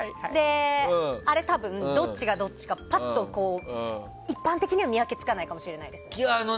あれ多分、どっちがどっちかパッと一般的には見分けつかないかもしれないです。